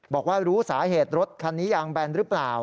บอกว่ารู้สาเหตุรถคันนี้ยางแบนหรือเปล่า